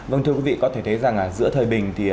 vâng thưa quý vị có thể thấy rằng giữa thời bình